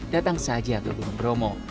datang saja ke gunung bromo